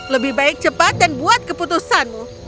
lebih baik cepat dan buat keputusanmu